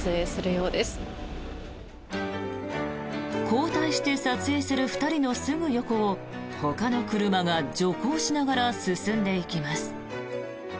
交代して撮影する２人のすぐ横をほかの車が徐行しながら進んでいきます。